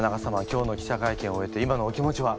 今日の記者会見を終えて今のお気持ちは？